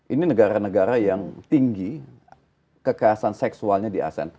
ini negara negara yang tinggi kekerasan seksualnya di asean